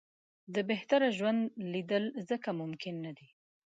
د بهتره ژوند لېدل ځکه ممکن نه دي.